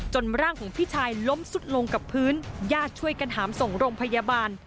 ร่างของพี่ชายล้มสุดลงกับพื้นญาติช่วยกันหามส่งโรงพยาบาล